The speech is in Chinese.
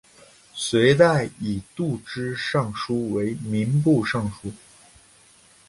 隋代以度支尚书为民部尚书。